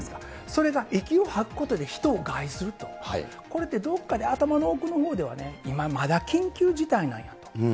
それが息を吐くことで人を害すると、これってどっかで頭の奥のほうでは今まだ緊急事態なんやと。